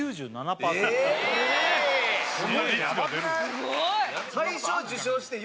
すごい！